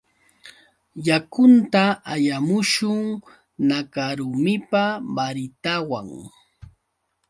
Yakunta allamushun. Nakarumipa baritawan